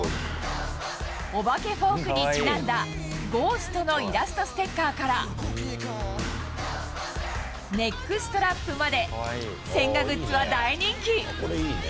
お化けフォークにちなんだゴーストのイラストステッカーから、ネックストラップまで、千賀グッズは大人気。